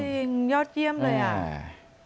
จริงยอดเยี่ยมเลย